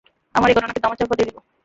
আমরা এই ঘটনাকে ধামাচাপা দিয়ে দেব।